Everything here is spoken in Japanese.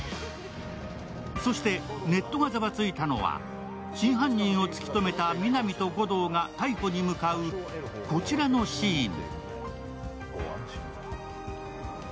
そしてネットがざわついたのは、真犯人を突き止めた皆実と護道が逮捕に向かうこちらのシーン。